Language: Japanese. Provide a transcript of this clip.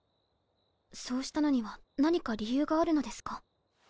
そうしたのには何か理由があるのですか？